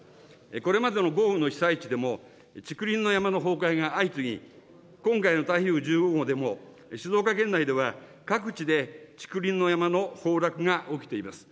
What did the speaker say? これまでの豪雨の被災地でも、竹林の山の崩壊が相次ぎ、今回の台風１５号でも、静岡県内では各地で竹林の山の崩落が起きています。